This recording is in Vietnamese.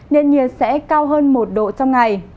nên nhiệt sẽ cao hơn một độ trong ngày